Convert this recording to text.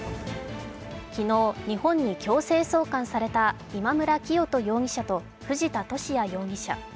昨日日本に強制送還された今村磨人容疑者と藤田聖也容疑者。